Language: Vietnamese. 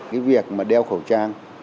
cái việc mà đeo khẩu trang